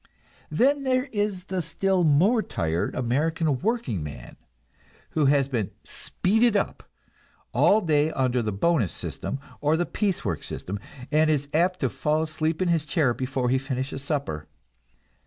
Then there is the still more tired American workingman, who has been "speeded up" all day under the bonus system or the piece work system, and is apt to fall asleep in his chair before he finishes supper.